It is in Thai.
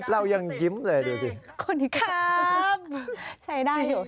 เรายังยิ้มเลยดูสิ